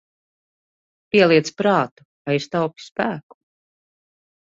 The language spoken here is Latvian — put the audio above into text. Pieliec prātu, aiztaupi spēku.